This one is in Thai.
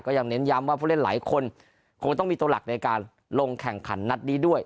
ยังเน้นย้ำว่าผู้เล่นหลายคนคงต้องมีตัวหลักในการลงแข่งขันนัดนี้ด้วย